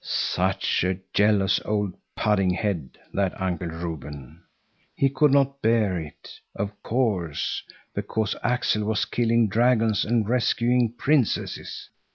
Such a jealous old pudding head, that Uncle Reuben! He could not bear it, of course, because Axel was killing dragons and rescuing princesses.